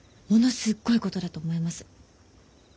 すっごいことだと思います。